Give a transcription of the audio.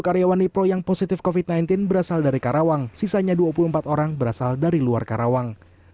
tiga puluh karyawan nipro yang positif covid sembilan belas berasal dari karawang sisanya dua puluh empat orang berasal dari luar karawang